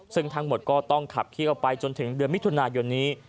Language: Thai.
ซึ่งทั้งหมดก็ต้องขับเคี่ยวไปจนถึงเดือนมิถุนายนนี้